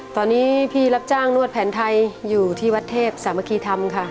ตอนนี้พี่รับจ้างนวดแผนไทยอยู่ที่วัดเทพสามัคคีธรรมค่ะ